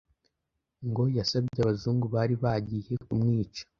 ngo yasabye abazungu bari bagiye kumwica